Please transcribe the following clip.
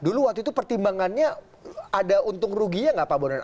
dulu waktu itu pertimbangannya ada untung ruginya nggak pak bondan